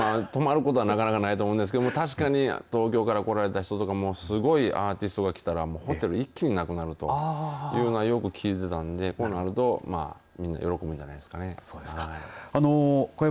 泊まることはなかなかないと思うんですけど確かに東京から来られたとかもすごいアーティストが来たら一気になくなるというのはよく聞いてたんでこうなるとみんな喜ぶんじゃないですかね。